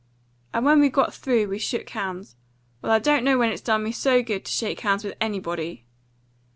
And when we got through we shook hands. Well, I don't know when it's done me so much good to shake hands with anybody."